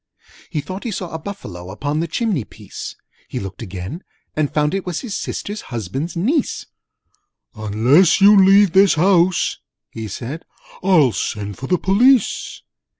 He thought he saw a Buffalo Upon the chimney piece: He looked again, and found it was His Sister's Husband's Niece. 'Unless you leave this house,' he said, "I'll send for the Police!'